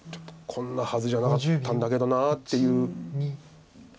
こんなはずじゃなかったんだけどなあっていうような表情。